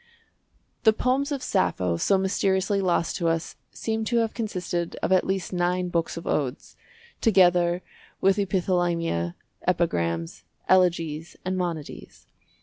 The poems of Sappho so mysteriously lost to us seem to have consisted of at least nine books of odes, together with epithalamia, epigrams, elegies, and monodies.